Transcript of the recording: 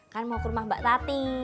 kan mau ke rumah mbak tati